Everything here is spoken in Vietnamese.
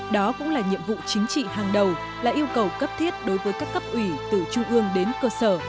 đó cũng là nhiệm vụ chính trị hàng đầu là yêu cầu cấp thiết đối với các cấp ủy từ trung ương đến cơ sở